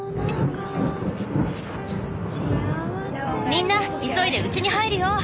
みんな急いでうちに入るよ！